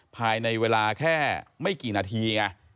ภายในเวลาแค่ไม่กี่นาทีไง